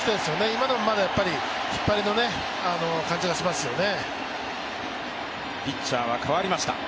今のも引っ張りの感じがしますよね。